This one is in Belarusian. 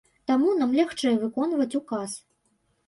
Таму нам лягчэй выконваць указ.